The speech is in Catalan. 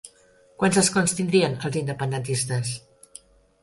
Quants escons tindrien els independentistes?